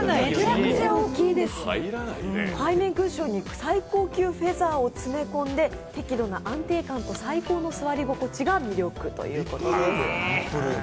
背面クッションに最高級フェザーを詰め込んで適度な安定感と最高の座り心地が魅力ということです。